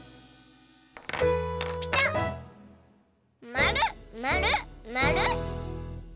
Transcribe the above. まるまるまる！